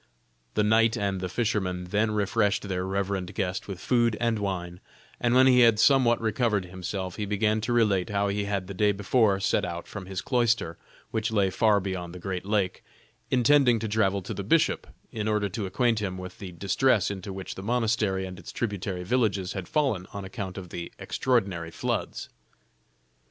The knight and the fisherman then refreshed their reverend guest with food and wine, and when he had somewhat recovered himself, he began to relate how he had the day before set out from his cloister, which lay far beyond the great lake, intending to travel to the bishop, in order to acquaint him with the distress into which the monastery and its tributary villages had fallen on account of the extraordinary floods.